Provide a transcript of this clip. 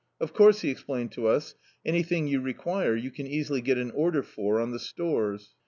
"Of course," he explained to us, *'an)rthing you require you can easily get an order for on the stores."